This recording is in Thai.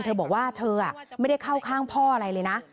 เธอบอกว่าเธอไม่ได้เข้าข้างพ่ออะไรเลยนะ